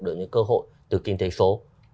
được những cơ hội từ kinh tế số